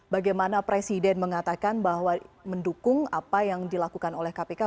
bagaimana presiden mengatakan bahwa mendukung apa yang dilakukan oleh kpk